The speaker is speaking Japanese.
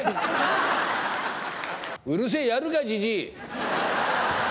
うるせえ、やるかじじい。